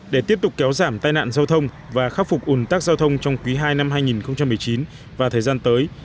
để tiếp tục kéo giảm tai nạn giao thông và khắc phục ủn tắc giao thông trong quý ii năm hai nghìn một mươi chín và thời gian tới